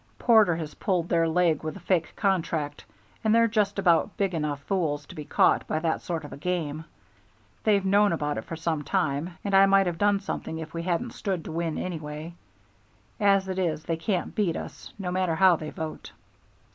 "Porter has pulled their leg with a fake contract, and they're just about big enough fools to be caught by that sort of a game. I've known about it for some time, and I might have done something if we hadn't stood to win anyway. As it is they can't beat us, no matter how they vote."